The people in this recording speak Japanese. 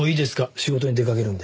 仕事に出かけるんで。